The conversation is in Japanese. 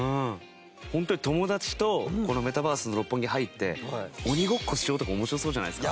ホントに友達とこのメタバース六本木に入って鬼ごっこしようとか面白そうじゃないですか。